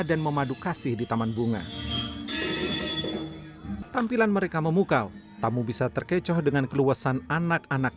dan memadu kasih di taman bunga tampilan mereka memukau tamu bisa terkecoh dengan keluasan anak